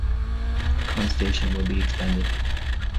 The current station will be expanded.